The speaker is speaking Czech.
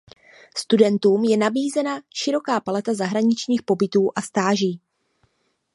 Studentům je nabízena široká paleta zahraničních pobytů a stáží.